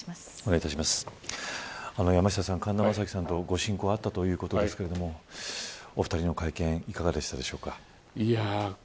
山下さん、神田さんとご親交があったということですがお二人の会見いかがでしたでしょうか。